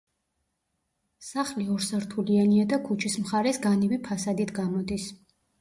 სახლი ორსართულიანია და ქუჩის მხარეს განივი ფასადით გამოდის.